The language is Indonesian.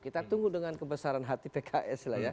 kita tunggu dengan kebesaran hati pks lah ya